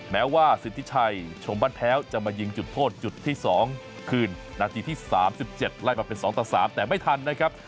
แม้ว่าสิทธิชัยชมบ้านแพ้วจะมายิงจุดโทษจุดที่๒คืนนาทีที่๓๗ไล่มาเป็น๒ต่อ๓แต่ไม่ทันนะครับ